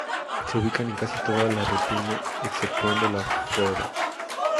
Se ubican en casi toda la retina exceptuando la fóvea.